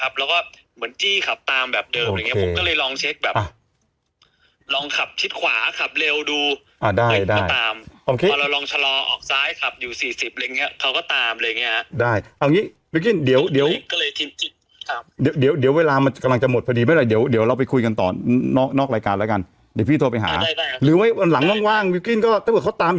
พอเราลองชะลอออกซ้ายขับอยู่สี่สิบอะไรอย่างเงี้ยเขาก็ตามอะไรอย่างเงี้ยได้เอาอย่างงี้วิวกิ้นเดี๋ยวเดี๋ยวเดี๋ยวเดี๋ยวเดี๋ยวเวลามันกำลังจะหมดพอดีไม่ได้เดี๋ยวเดี๋ยวเราไปคุยกันต่อนอกนอกรายการแล้วกันเดี๋ยวพี่โทรไปหาได้ได้หรือว่าหลังว่างว่างวิวกิ้นก็ถ้าเกิดเขาตาม